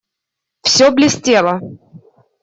Всё блестело.